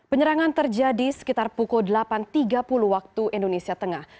penyerangan terjadi sekitar pukul delapan tiga puluh waktu indonesia tengah